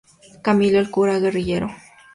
Camilo, el cura guerrillero.